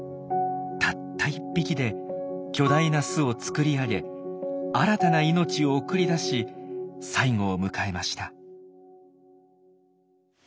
たった１匹で巨大な巣を作り上げ新たな命を送り出し最期を迎えました。